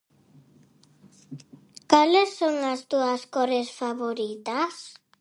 Cales son as túas cores favoritas?